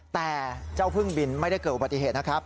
แต่เจ้าพึ่งบินไม่ได้เกิดอุบัติเหตุนะครับ